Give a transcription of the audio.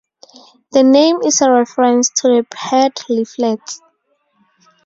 The name is a reference to the paired leaflets.